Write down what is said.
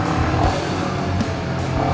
gak ada yang mau ngomong